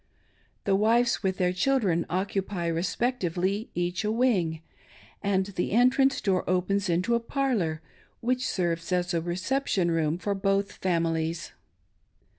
The wives, with their children, occupy, respectively, each a wing ; and the entrance door opens into a parlor, which serves as. a recep tion room for both families.